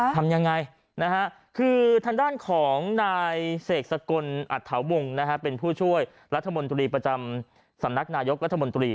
ทำยังไงคือทางด้านของนายเสกสกลอัตถาวงศ์เป็นผู้ช่วยรัฐมนตรีประจำสำนักนายกรัฐมนตรี